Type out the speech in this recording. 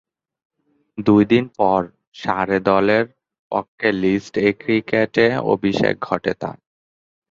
দুই দিন পর সারে দলের পক্ষে লিস্ট এ ক্রিকেটে অভিষেক ঘটে তার।